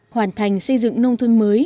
hoàn thành xây dựng nông thôn mới